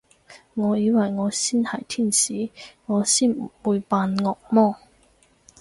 我以為我先係天使，我先唔會扮惡魔